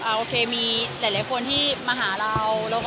โอเคมีหลายคนที่มาหาเรา